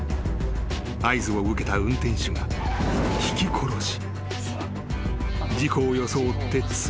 ［合図を受けた運転手がひき殺し］